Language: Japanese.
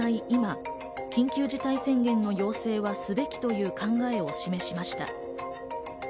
今、緊急事態宣言の要請はすべきという考えを示しました。